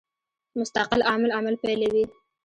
مستقل عامل عمل پیلوي.